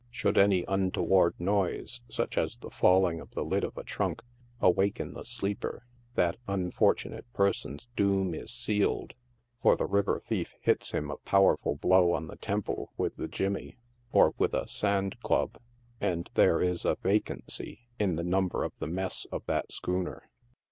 Should any untoward noise, such as the falling of the lid of a trunk, awaken the sleeper, that unfortunate person's doom is sealed, for the river thief hits him a powerful blow on the temple with the " jimmy," or with a sand club, and there is a va cancy in the number of the mess of that schooner.